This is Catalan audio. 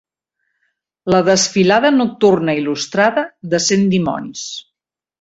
"La Desfilada Nocturna Il·lustrada de Cent Dimonis".